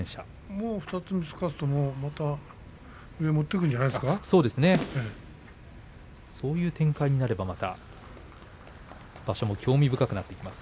もう２つ３つ勝つとまた上にそうですねそういう展開になればまた場所も興味深くなってきます。